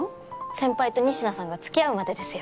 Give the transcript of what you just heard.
先輩と仁科さんが付き合うまでですよ。